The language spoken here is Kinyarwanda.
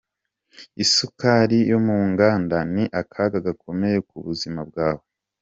Isukari yo mu nganda ni akaga gakomeye ku buzima bwawe.